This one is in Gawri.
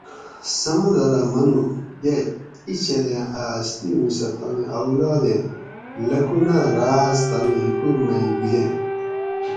سمندر اۤ منو: یئ اِیں چھلیں اۤ ہستی اُوں سہۤ تانی اولاد ایں لاکھونہۤ راۤز تانی حکوکور مئ بِلیں